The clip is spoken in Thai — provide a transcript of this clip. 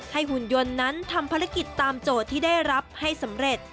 หุ่นยนต์นั้นทำภารกิจตามโจทย์ที่ได้รับให้สำเร็จ